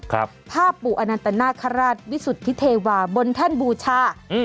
ภาพปู่อนันตนาคาราชวิสุทธิเทวาบนแท่นบูชาอืม